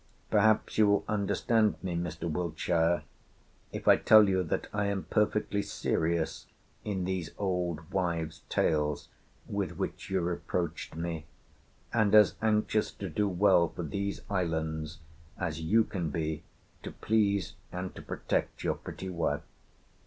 Perhaps you will understand me, Mr. Wiltshire, if I tell you that I am perfectly serious in these old wives' tales with which you reproached me, and as anxious to do well for these islands as you can be to please and to protect your pretty wife.